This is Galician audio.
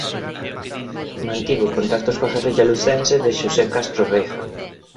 Mantivo contactos coa guerrilla lucense de Xosé Castro Veiga.